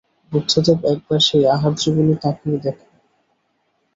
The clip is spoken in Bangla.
বুদ্ধদেব একবার সেই আহার্যগুলি তাকিয়ে দেখলেন।